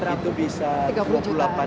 ya ini sudah berapa